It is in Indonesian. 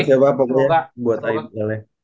semoga kita berjodoh lagi pak